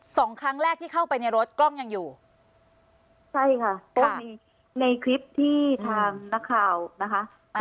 สองครั้งแรกที่เข้าไปในรถกล้องยังอยู่ใช่ค่ะก็มีในคลิปที่ทางนักข่าวนะคะ